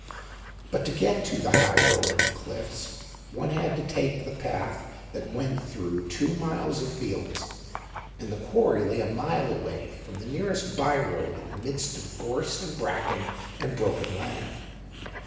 But to get to the high land of the cliffs one had to take a path that went through two miles of fields; and the quarry lay a mile away from the nearest by road in the midst of gorse and bracken and broken land.